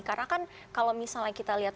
karena kan kalau misalnya kita lihat